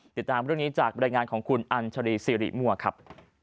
ติดตามเรื่องนี้จากบรรยายงานของคุณอัญชรีสิริมั่วครับ